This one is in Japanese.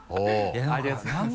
ありがとうございます。